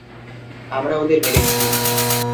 আমরা ওদের মেরেছি!